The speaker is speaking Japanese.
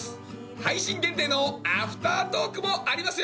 配信限定のアフタートークもありますよ！